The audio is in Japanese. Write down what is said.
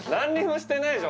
してないでしょ